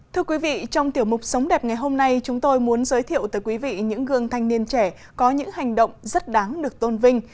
thưa quý vị trong tiểu mục sống đẹp ngày hôm nay chúng tôi muốn giới thiệu tới quý vị những gương thanh niên trẻ có những hành động rất đáng được tôn vinh